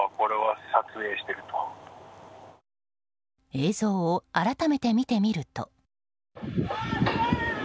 映像を改めて見てみると。